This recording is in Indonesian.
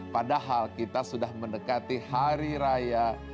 padahal kita sudah mendekati hari raya